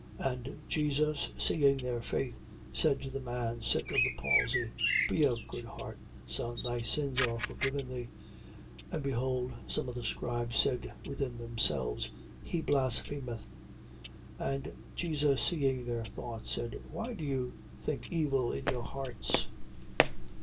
And Jesus, seeing their faith, said to the man sick of the palsy: Be of good heart, son, thy sins are forgiven thee. 9:3. And behold some of the scribes said within themselves: He blasphemeth. 9:4. And Jesus seeing their thoughts, said: Why do you think evil in your hearts?